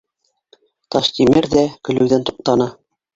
Таштимер ҙә көлөүҙән туҡтаны